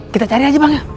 kita cari aja bang ya